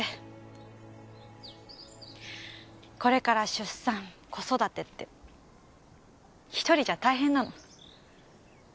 これから出産子育てって１人じゃ大変なの。